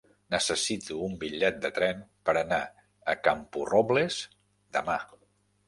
Necessito un bitllet de tren per anar a Camporrobles demà.